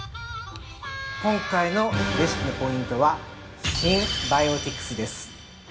◆今回のレシピのポイントはシンバイオティクスです。